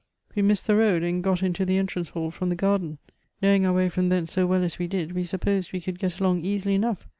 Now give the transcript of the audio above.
We missed the road, and got into the entrance hall from the garden. Knowing our way from thence so well as we did, we supposed we could get along easily enough.